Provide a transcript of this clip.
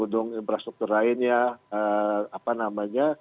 gede gede infrastruktur lainnya apa namanya